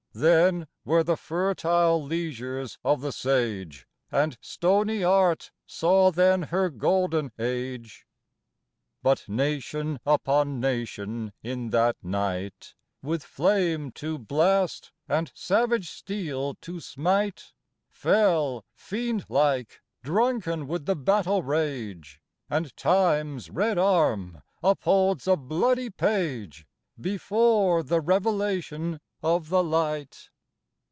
Then were the fertile leisures of the sage, And stony Art saw then her Golden Age ; But nation upon nation in that night, With flame to blast and savage steel to smite, Fell fiendlike, drunken with the battle rage, And Time s red arm upholds a bloody page Before the revelation of the light.